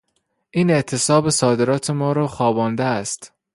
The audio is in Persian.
این اعتصاب صادرات ما را خوابانده است.